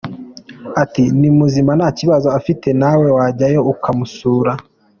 Ati “Ni muzima nta kibazo afite nawe wajyayo ukamusura.